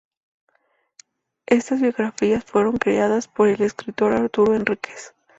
Estas biografías fueron creadas por el escritor Arturo Enríquez.